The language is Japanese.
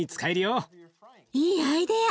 いいアイデア。